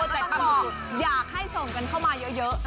ใช่ค่ะก็ต้องบอกอยากให้ส่งกันเข้ามาเยอะ